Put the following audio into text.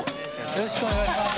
よろしくお願いします。